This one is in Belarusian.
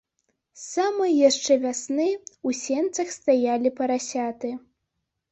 З самай яшчэ вясны ў сенцах стаялі парасяты.